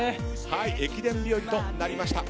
駅伝日和となりました。